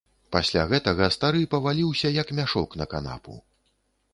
Пасля гэтага стары паваліўся, як мяшок, на канапу.